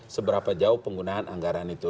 seberapa jauh penggunaan anggaran itu